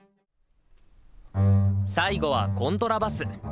最後はコントラバス。